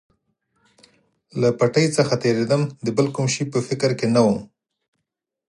له پټۍ څخه تېرېدم، د بل کوم شي په فکر کې نه ووم.